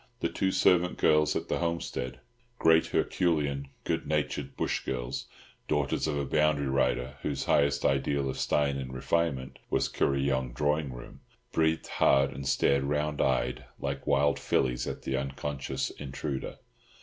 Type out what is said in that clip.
The two servant girls at the homestead—great herculean, good natured bush girls, daughters of a boundary rider, whose highest ideal of style and refinement was Kuryong drawing room—breathed hard and stared round eyed, like wild fillies, at the unconscious intruder.